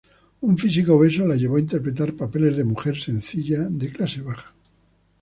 Un físico obeso la llevó a interpretar papeles de mujer sencilla de clase baja.